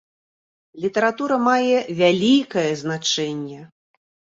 Літаратура мае вялікае значэнне.